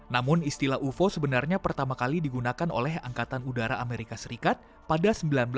namun istilah ufo sebenarnya pertama kali digunakan oleh angkatan udara amerika serikat pada seribu sembilan ratus sembilan puluh